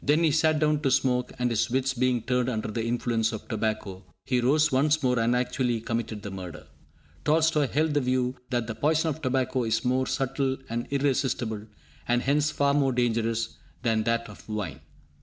Then he sat down to smoke and his wits being turned under the influence of tobacco, he rose once more and actually committed the murder. Tolstoi held the view that the poison of tobacco is more subtle and irresistible, and hence far more dangerous, than that of wine.